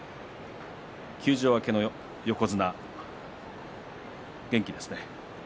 休場明けの横綱、元気ですね。